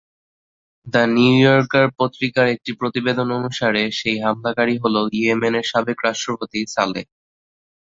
The New Yorker পত্রিকার একটি প্রতিবেদন অনুসারে সেই হামলাকারী হল ইয়েমেনের সাবেক রাষ্ট্রপতি সালেহ।